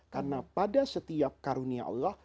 karena pada setiap karunia allah